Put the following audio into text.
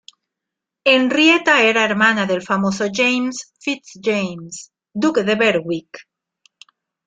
Henrietta era hermana del famoso James FitzJames, duque de Berwick.